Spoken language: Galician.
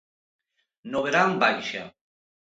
No verán baixa.